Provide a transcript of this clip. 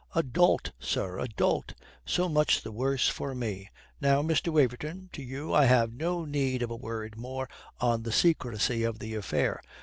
A dolt, sir, a dolt; so much the worse for me. Now, Mr. Waverton, to you I have no need of a word more on the secrecy of the affair.